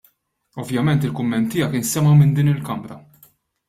Ovvjament il-kumment tiegħek instema' minn din il-Kamra.